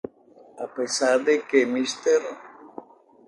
A pesar de que Mr.